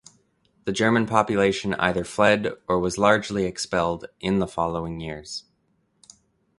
The German population either fled or was largely expelled in the following years.